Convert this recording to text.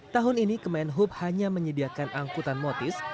tahun ini kemenhub hanya menyediakan angkutan motis